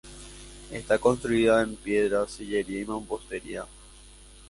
Está construida en piedra, sillería y mampostería.